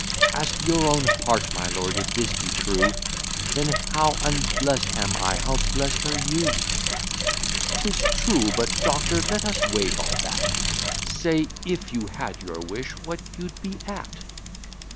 Ask your own heart, my lord; if this be true, Then how unblest am I! how blest are you!" "'Tis true but, doctor, let us wave all that Say, if you had your wish, what you'd be at?"